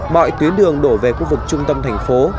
mọi tuyến đường đổ về khu vực trung tâm thành phố